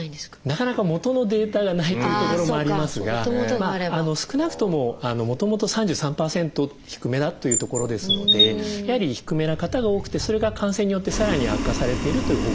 なかなかもとのデータがないというところもありますが少なくとももともと３３％低めだというところですのでやはり低めな方が多くてそれが感染によってさらに悪化されているという報告もあります。